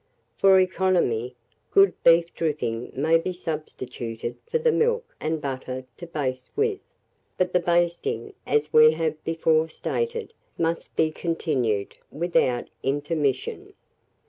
For economy, good beef dripping may be substituted for the milk and butter to baste with; but the basting, as we have before stated, must be continued without intermission.